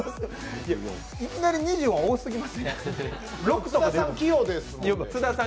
いきなり２０は多すぎません？